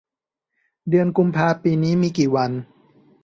เดือนกุมภาปีนี้มีกี่วัน